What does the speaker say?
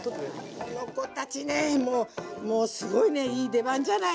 この子たちねもうもうすごいねいい出番じゃないの。